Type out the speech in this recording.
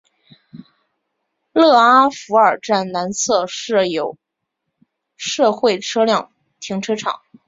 勒阿弗尔站南侧设有社会车辆停车场。